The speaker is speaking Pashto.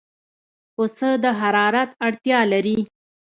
پسه د حرارت اړتیا لري.